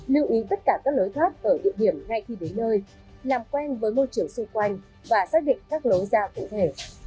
lưu ý tất cả các lối thoát ở địa điểm ngay khi đến nơi làm quen với môi trường xung quanh và xác định các lối ra cụ thể